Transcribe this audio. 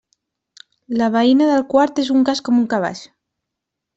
La veïna del quart és un cas com un cabàs.